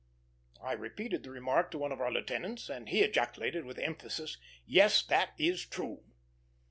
I repeated the remark to one of our lieutenants, and he ejaculated, with emphasis, "Yes, that is true."